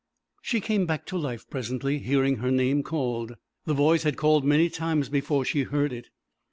She came back to life presently, hearing her name called. The voice had called many times before she heard it.